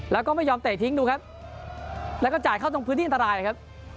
แล้วก็ไม่ยอมเตะทิ้งดูครับแล้วก็จ่ายเข้าตรงพื้นที่อันตรายนะครับ